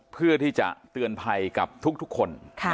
เพื่อที่จะเตือนภัยกับทุกคน